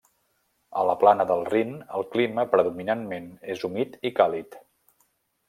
A la plana del Rin el clima predominantment és humit i càlid.